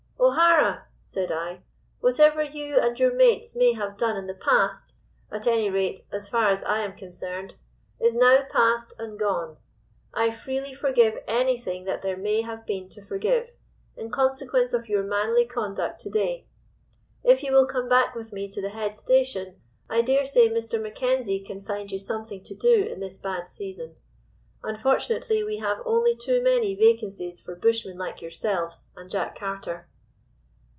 "'O'Hara!' said I, 'whatever you and your mates may have done in the past—at any rate, as far as I am concerned—is now past and gone. I freely forgive anything that there may have been to forgive, in consequence of your manly conduct to day. If you will come back with me to the head station, I dare say Mr. Mackenzie can find you something to do in this bad season. Unfortunately, we have only too many vacancies for bushmen like yourselves and Jack Carter.